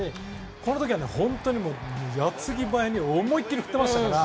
この時は矢継ぎ早に思い切り振ってましたから。